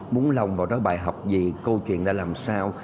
muốn lòng vào đó bài học gì câu chuyện đã làm sao